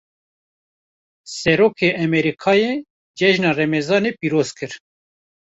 Serokê Emerîkayê, cejna remezanê pîroz kir